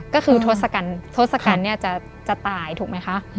ก็คือทศกัณฐ์จะตายถูกไหมคะ